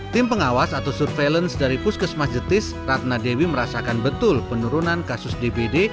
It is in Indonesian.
tim pengawas atau surveillance dari puskes masjetis ratna dewi merasakan betul penurunan kasus dpd